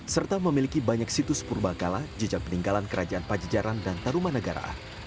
serta memiliki banyak situs purba kala jejak peninggalan kerajaan pajajaran dan taruman negara